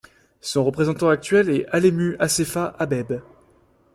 Son représentant actuel est Alemu Asefa Abebe.